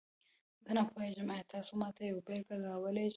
زه نه پوهیږم، آیا تاسو ماته یوه بیلګه راولیږئ؟